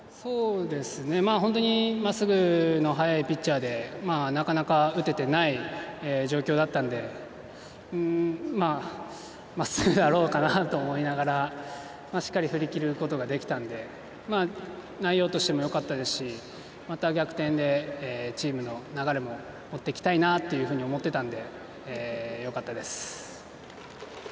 本当にまっすぐの速いピッチャーでなかなか打ててない状況だったのでまっすぐだろうなと思いながらしっかり振りきることができたので内容としてもよかったですし逆転でチームの流れも持っていきたいなと思っていたのでよかったです。